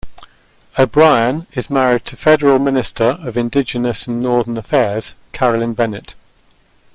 O'Brian is married to federal Minister of Indigenous and Northern Affairs Carolyn Bennett.